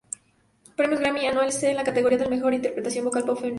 Premios Grammy Anuales en la categoría de Mejor Interpretación Vocal Pop Femenina.